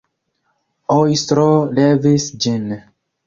Ojstro levis ĝin.